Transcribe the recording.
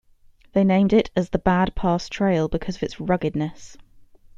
They named it as the Bad Pass Trail because of its ruggedness.